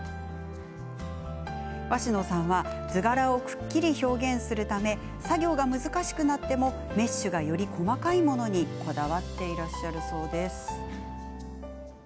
鷲野さんは、図柄をくっきり表現するため作業が難しくなってもメッシュがより細かいものにこだわっているそうです。